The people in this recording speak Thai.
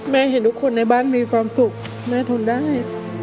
เห็นทุกคนในบ้านมีความสุขแม่ทนได้